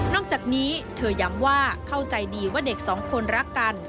อกจากนี้เธอย้ำว่าเข้าใจดีว่าเด็กสองคนรักกัน